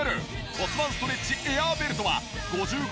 骨盤ストレッチエアーベルトは５５